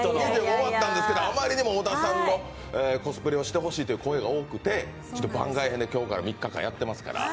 終わったんですけど、あまりにも小田さんのコスプレをしてほしいという声が多くて番外編で今日から３日間やっていますから。